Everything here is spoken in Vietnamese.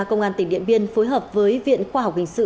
công an tỉnh điện biên phối hợp với viện khoa học hình sự